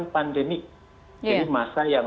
pandemi ini masa yang